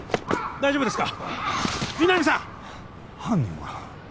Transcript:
大丈夫ですか？